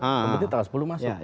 kemudian tanggal sepuluh masuk